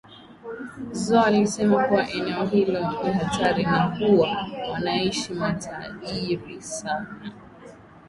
Zo alisema kuwa eneo hilo ni hatari na huwa wanaishi matajiri sana